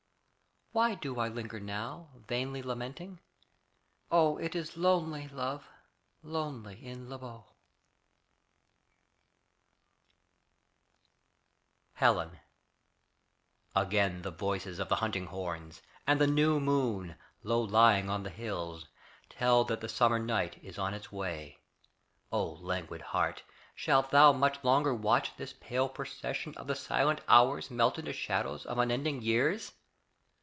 Why do I linger now Vainly lamenting? O it is lonely, love, Lonely in Lesbos! HELEN Again the voices of the hunting horns And the new moon, low lying on the hills, Tell that the summer night is on its way. O languid heart, shalt thou much longer watch This pale procession of the silent hours Melt into shadows of unending years?